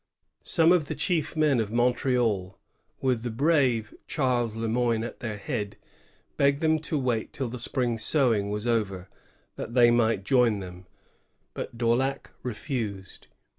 Some of the chief men of Montreal, with the brave Charles Le Moyne at their head, begged them to wait till the spring sowing was over, that they might join them ; but Daulac refused.